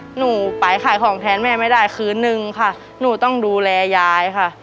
หนูไปขายของแทนแม่ไม่ได้คืนนึงค่ะหนูต้องดูแลยายค่ะ